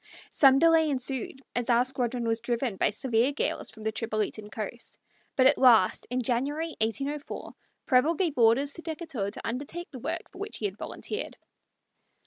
Some delay ensued, as our squadron was driven by severe gales from the Tripolitan coast; but at last, in January, 1804, Preble gave orders to Decatur to undertake the work for which he had volunteered.